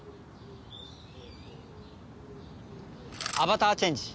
アバターチェンジ。